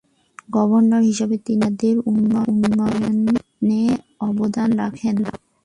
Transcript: Governor হিসেবে তিনি রিয়াদের উন্নয়নে অবদান রাখেন।